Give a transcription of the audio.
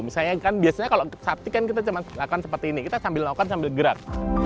misalnya kan biasanya kalau sapti kan kita cuma lakukan seperti ini kita sambil lakukan sambil gerak